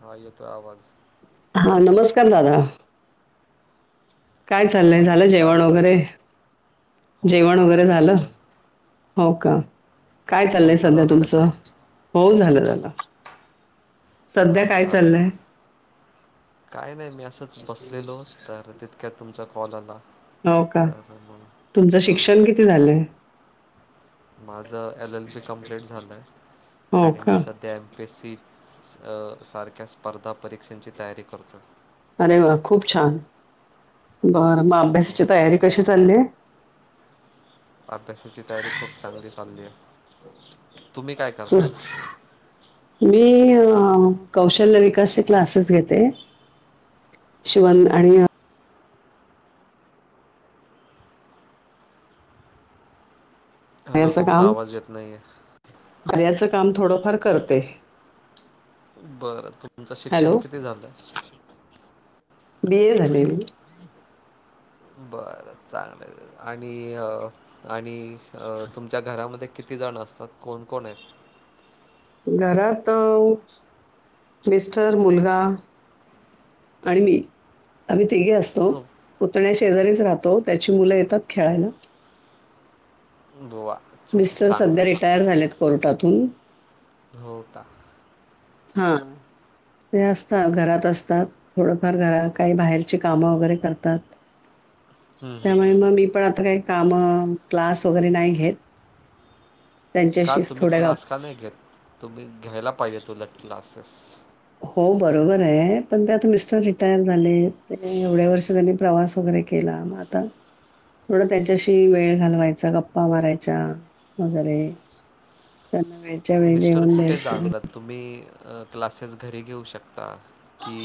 हा येतोय आवाज. हा नमस्कार दादा. काय चाललय, झाल नमस्कार जेवण ताई वगैरे हो जेवण झालं वगैरे ना झाल जेवण हो का. काय चाललय, तुमचं सध्या झालं का तुमच जेवण हो झाल झाल. सध्या हा काय का चाललय. काय नाही मी असंच, बसलेलो तर तितक्या तुमचा कॉल आला. हो का तर तुमचं मग हां शिक्षण किती झालय? माझं एल एल बी कम्पलेट झालय हो आणि का? मी सध्या एम पी एस सी सस स सारख्या स्पर्धा परीक्षांची तयारी करतो. अरे वा खूप छान, बरं हं, अभ्यासाची तयारी कशी धन्यवाद चाली ये? अभ्यासाची तयारी खूप चांगली चालली आहे. तुम्ही काय करता मी [unintelligible] हा कौशल्य विकासची क्लासेस घेते. शिवन आणि हॅलो कार्याचं तुमचा काम आवाज येत नाहीये. कार्याचं काम थोडफार करते. बर तुमचं शिक्षण हॅलो. किती झालं बी ए झाले म बर चांगलय आणि, आणि अ तुमच्या घरामध्ये. किती जण असतात कोण कोण येत. घरात मिस्टर मुलगा आणि मी आणि तिघे असतो. अ, पुतणे शेजारीच राहतो. त्याची मुलं येतात खेळायला बुवा मिस्टर सध्या रिटायर झाल्यात कोर्टातून हो का हा. ते असता घरात असतात थोडफार घ काही बाहेरची काम वगैरे करतात. त्यामुळे म मी पण आता काय कामं क्लास वगैरे नाही घेत. का त्यांच्याशीच तुम्ही थोड्या गप क्लास का नाय घेत तुम्ही घ्यायला पाहिजे उलट क्लासेस हो बरोबर ये पण त्यात मिस्टर रिटायर झालेत एवढ्या वर्ष त्यांनी प्रवास वगैरे केला म आता थोडं त्याच्याशी वेळ घालवायचा गप्पा मारायच्या वगैरे त्यांना वेळच्या वेळी मिस्टर जेवन कुठे द्यायचं. जाणार आहेत? तुम्ही अ क्लासेस घरी घेऊ शकता की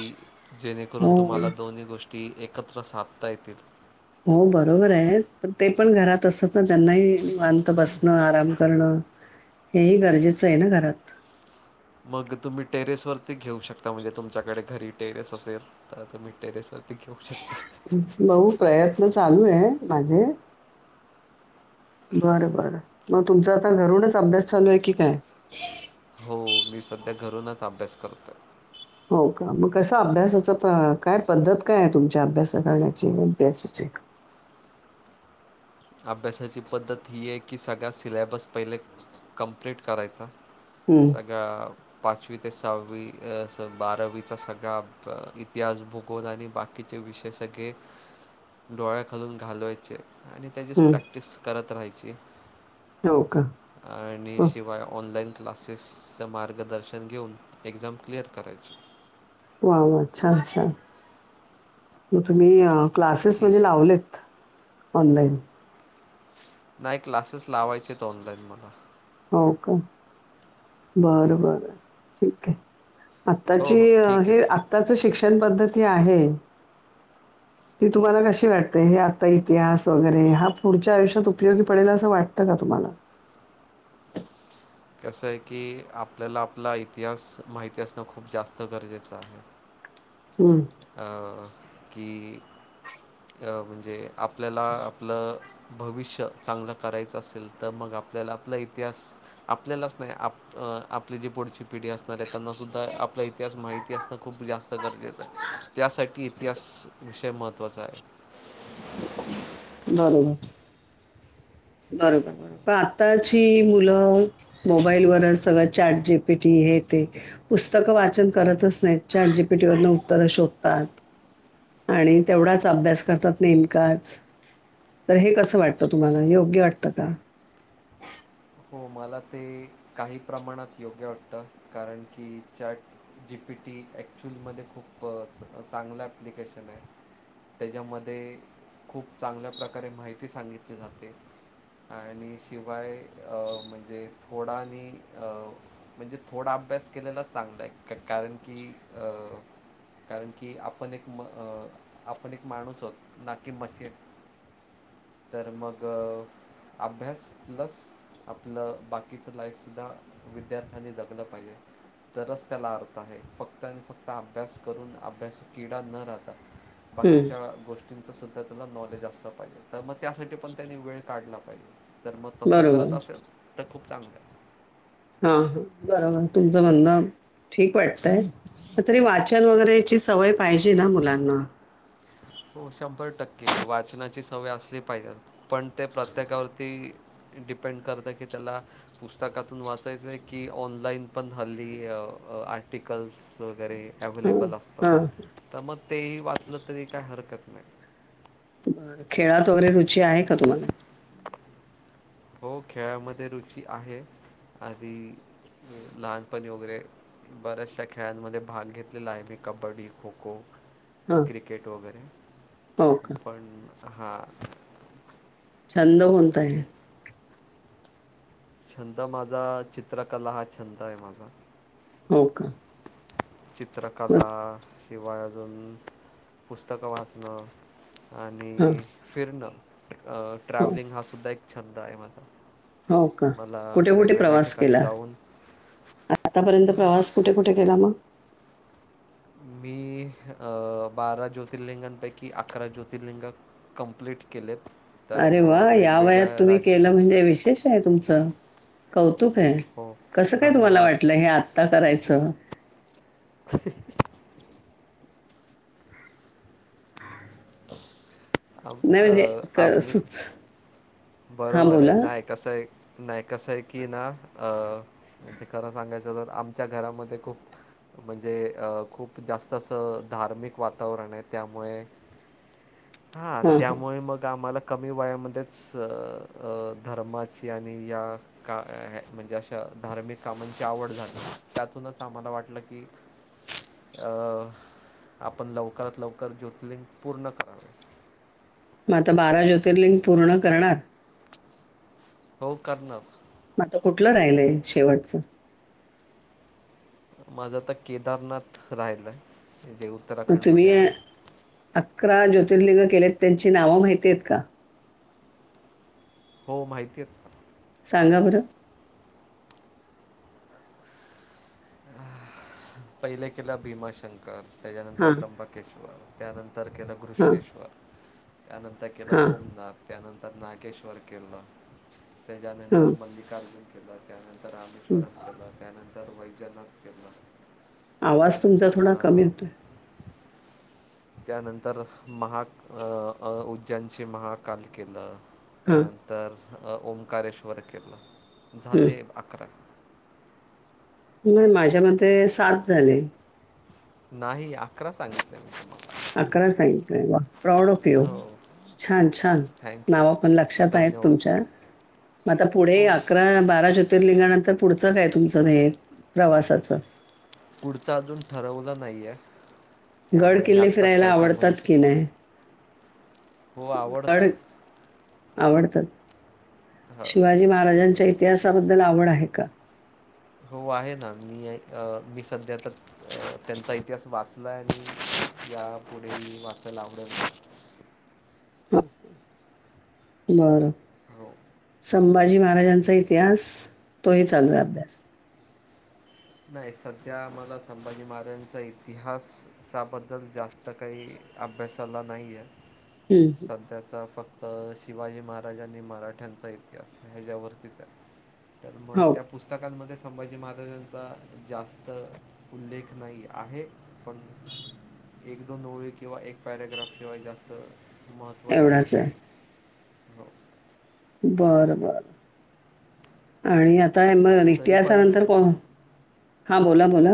जेणेकरून हो. तुम्हाला दोन्ही गोष् ष्टी एकत्र साधता येतील. हो बरोबर आहे पण ते पण घरात असतात ना त्यांनाही निवांत बसणं आराम करणं. हेही गरजेचं आहे ना घरात. मग तुम्ही टेरेस वरती घेऊ शकता म्हणजे तुमच्याकडे घरी टेरेस असेल तर तुम्ही टेरेस वर ती घेऊ शकता. बघू प्रयत्न चालू आहे माझे बर बर म तुमचा आता घरूनच अभ्यास चालू आहे की काय? हो मी सध्या घरूनच अभ्यास करतो. हो मग कस अभ्यासाचा काय पद्धत काय आहे तुमच्या अभ्यासा करण्याची अभ्यासाची [unintelligible] अभ्यासाची पद्धत ही आहे की सगळ्या सिलेबस पहिले कंप्लिट करायचा. हं सगळा पाचवी ते सहावी अस बारावीचा सगळा इतिहास भुगोल आणि बाकी विषय सगळे डोळ्या खालून घालवायचे आणि त्यांचीच हं प्रॅक्टिस करत राहायची हो का आणि हो शिवाय ऑनलाईन क्लासेसचं मार्गदर्शन घेऊन एक्झाम क्लिअर करायची. वा वा छान छान. मग तुम्ही क्लासेस ठीक म्हणजे लावलेत ऑनलाईन नाही क्लासेस लावायचेत ऑनलाईन मला हो का बर बर ठीक ये. हो आत्ताची हो ठीक हे आहे आत्ताच शिक्षण पद्धती आहे. ती तुम्हाला कशी वाटते हे आता इतिहास वगैरे हा पुढच्या आयुष्यात उपयोगी पडेल असं वाटतं का तुम्हाला? [inaudible] कसंय की आपल्याला आपला इतिहास माहिती असणं खूप जास्त गरजेचं आहे. [unintelligible] अ की अ म्हणजे आपल्याला आपलं भविष्य चांगलं करायचं असेल तर मग आपल्याला आपला इतिहास आपल्यालाच नाही आप अ आपली जी पुढची पिढी असणार आहे त्यांनासुद्धा आपला इतिहास माहिती असणं खूप जास्त गरजेचं आहे. त्यासाठी इतिहास विषय महत्त्वाचा आहे. बरोबर. बरोबर बरोबर पण आत्ताची मुलं मोबाईलवरच सगळं चाट जी पी टी हे पुस्तकं वाचन करतच नाहीत चाट जी पी टी वरण उत्तरं शोधतात. आणि तेवढाच अभ्यास करतात नेमकाच तर हे कसं वाटतं तुम्हाला योग्य वाटतं का हो मला ते काही प्रमाणात योग्य वाटत कारण की जीपी टी क्च्युअल म खूप चांगलं प्लिकेशन आहे त्याच्यामध्ये खूप चांगल्या प्रकारे माहिती सांगितली जाते आणि शिवाय अ म्हणज जे थोडा आणि म्हणजे थोडा अभ्यास केलेला चांगला आहे क कारण की अ कारण की आपण एक आपण एक माणूस आ ना की मशी तर मग अभ्यास लस आपलं बाकीचं लाईफसुद्धा विद्यार्थ्यांनी जगलं पाहिजे तरच त्याला अर्थ आहे फक्त आणि फक्त अभ्यास करून अभ्यास किडा न राहताात हं. बाकीच्या गोष्टी तुमचंसुद्धा तुला नॉलेज असं पाहिजे तर मग त्यासाठी पण त्यानी वेळ काढला पाहिजे तर मग तसं बरोबर. करत असेल तर खूप चांगलं आहे हा हा बरोबर तुमचं म्हंद ठीक वाटतंय तरी वाचन वगैरेची सवय पाहिजे ना मुलांना हो शंभर टक्के वाचनाची सवय असली पाहिजे पण ते प्रत्येकावरती डिपेंड करत की त्याला पुस्तकातून वाचायचंय की ऑनलाईन पण हल्ली अ अ आर्टिकल्स वगैरे हां, अव्हेलेबल हां. असतात त मग तेही वाचलं तरी काही हरकत नाही खेळात वगैरे रुची आहे का तुला हो खेळामध्ये रुची आहे आणि लहानपणी वगैरे बऱ्याचशा खेळांमध्ये भाग घेतलेला आहे मी कबड्डी खो खो हां. क्रिकेट वगैरे हो का? पण हा [unintelligible] छंद कोणता आहे छंद माझा चित्रकला हा छंद आहे माझा टोक चित्रकला आ शिवाय अजून पुस्तकं वाचणं हां. आणि फिरण अ ट्रॅव्हलिंग हा सुद्धा एक छंद आहे माझा होका मला कुठे कुठे वेगवेगळ्या प्रवास ठिकाणी केला जाऊन आत्तापर्यंत प्रवास कुठे कुठे केला मग बिप अ बारा ज्योतिर्लिंगांपैकी अकरा ज्योतिर्लिंग कम्प्लीट केलेत तर अरे वा मग या वयात वेगवेगळ्या तुम्ही राज्य केलं म्हणजे विशेष आहे तुमचं कौ थुका हो कसं काय तुम्हाला धन्यवाद वाटलं हे आता करायचं [unintelligible] [unintelligible] आम नाही अ म्हणजे क आमी सुच हां, बरोबर आहे बोला. नाय कस हे नाय कसं की ना अ खरं सांगायचं तर आमच्या घरामध्ये खूप म्हणजे अ खूप जास्त असं धार्मिक वातावरण आहे त्यामुळे हाआ हां, हां. त्यामुळे मग आम्हाला कमी वयामध्येच अ धर्माची आणि या का ह म्हणजे अशा धार्मिक कामांची आवड झाली त्यातूनच आम्हाला वाटलं की इ अं आपण लवकरात लवकर ज्योतिर्लिंग पूर्ण करनार म आता बारा ज्योतिर्लिंग पूर्ण करणार हो खारणार म आता कुठलं राहिलय शेवटच माझं आता केदारनाथ राहिलंय म तुम्ही अकरा ज्योतिर्लिंग केलेत त्यांची नावं माहिती आहेत का हो माहितीेत न सांगा बरं पहिले केलं भीमा शंकर त्याच्यानंतर हां, त्र्यंबकेश्वर त्यानंतर नंतर केलं हां, घृष्णेश्वर त्यानंतर केलं हां, सोमनाथ त्यानंतर नागेश्वर केलं हां, त्याच्यानंतर मल्लिकार्जुन केलं त्यानंतर हं. रामेश्वरमं केलं त्यानंतर वैजनाथ केलं आवास तुमचा त्यानंतर थोडा कमी अ, होतोय त्यानंतर महाग अ अ उद्यानचे महाकाल केलं हां, त्यानंतर अ ओंकारेश्वर केलं हं. झाले अकरा नई माझ्या मते सात झाले नाही अकरा सांगितले मग अकरा सांगितले वाह प्रौड ऑफ यु हो, छान छान थँक यू. नाव पण लक्षात आहे धन्यवाद. तुमच्या म आता पुढे हो, अकरा बारा ज्योतिर्लिंगानंतर पुढचं काय तुमचं ह प्रवासाचं पुढचं अजून ठरवलं नाये गड किल्ले फिरायला आवडतात की शकत. नाही हो, आवडतं. घड आवडतात हं, शिवाजी महाराजांच्या इतिहासाबद्दल आवड आहे का हो आहे ना मी अ मी सध्या तर त्यांचा इतिहास वाचलाय आणि या पुढेही वाचयलावडेल बर हो. स शिवाजी महाराजांचा इतिहास तोही चालू आहे अभ्यास नाही सध्या मला संभाजी महाराजांचा इतिहासाबद्दल जास्त काही अभ्यासाला नाही आहे हं, सध्याचा फक्त तर शिवाजी महाराजांनी मराठ्यांचा इतिहास ह्याच्यावरतीच आहे तर मग हो त्या पुस्तकांमध्ये संभाजी महाराजां जास्त उल्लेख नाही आहे पण एक दोन ओळी किंवा एक पॅरग्राफ शिवाय जास्त महत्त्व नाही एवढाच आहे हो बर बर आणि आता आता मग तरी पण इतिहासानंतर को हा बोला बोला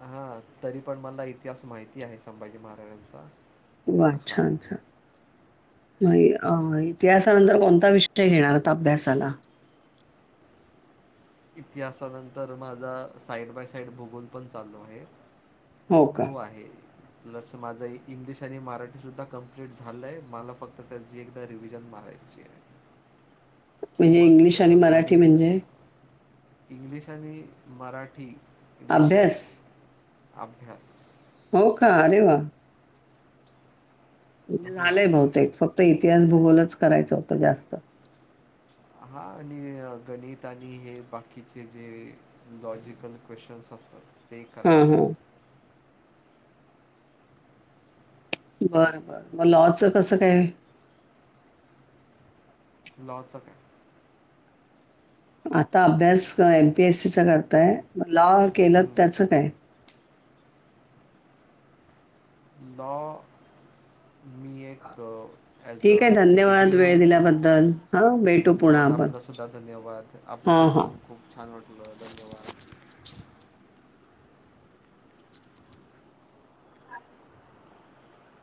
हा तरी पण मला इतिहास माहिती आहे संभाजी महाराजांचा वा हां अच्छाचछा नाही अ इतिहासानंतर कोणता विषय घेणार होता अभ्यासाला इतिहासानंतर माझा साईड बाय साईड भोगून पण चाललू आहे हो का तो आहे पस माझं इंग्लिश आणि मराठी सुद्धा कंप्लीट झालंय मला फक्त त्याची एकदा रिव्हिजन मारा म्हणजे मग इंग्लिश आणि अ, मराठी गणित, म्हणजे इंग्लिश आणि मराठी विषय अभ्यास अभ्यास हो खा अरे वा म्ह हो. झालंय बहुतेक फक्त इतिहास भूगोलच करायचं होतं जास्त हा आणि गणित आणि हे बाकीचे जे लॉजिकल क्वेशचन त ते हां, हां. करायचं हो. बर बर म लॉचं कसं काय लॉच काय आता अभ्यास एमपीएससीचा करताय लॉ केलं हं. त्याचं काय. ल मी एक. ॲज अ ठीक आहे डिग्री धन्यवाद वेळ म्हणून दिल्याबद्दल. हां, केलं भेटू पुन्हा धन्यवाद आपण. आपला सुद्धा धन्यवाद आप जसे हां, हां. बधून खूप छान वाटल धन्यवाद.